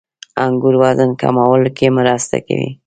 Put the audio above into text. • انګور وزن کمولو کې مرسته کوي.